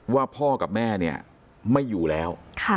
ว่าพ่อกับแม่เนี่ยไม่อยู่แล้ว